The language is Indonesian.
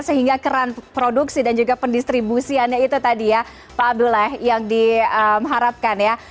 sehingga keran produksi dan juga pendistribusiannya itu tadi ya pak abdullah yang diharapkan ya